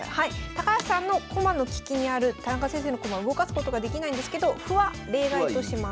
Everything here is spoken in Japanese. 高橋さんの駒の利きにある田中先生の駒動かすことができないんですけど歩は例外とします。